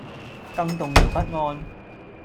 更動搖不安